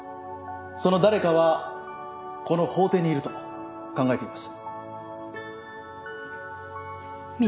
その誰かはこの法廷にいると考えています。